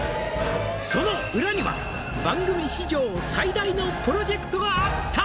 「その裏には番組史上」「最大のプロジェクトがあった」